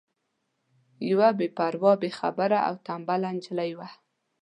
یوه بې پروا بې خبره او تنبله نجلۍ وم.